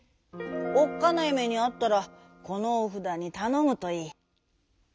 おっかないめにあったらこのおふだにたのむといい」。